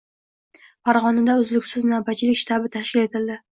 Farg‘onada uzluksiz navbatchilik shtabi tashkil etildi